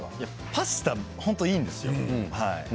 パスタは本当にいいんですよ。